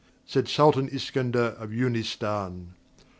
Said Sultan Iskander of Yoonistan.